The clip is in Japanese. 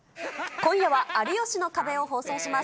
今夜は有吉の壁を放送します。